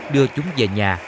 đưa chúng về nhà